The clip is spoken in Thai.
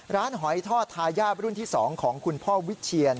หอยทอดทายาทรุ่นที่๒ของคุณพ่อวิเชียน